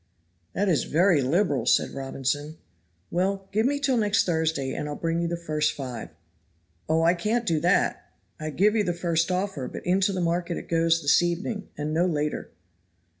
"That is very liberal," said Robinson. "Well, give me till next Thursday and I'll bring you the first five." "Oh, I can't do that; I give you the first offer, but into the market it goes this evening, and no later."